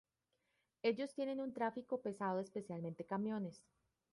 Ellos tienen un tráfico pesado, especialmente camiones.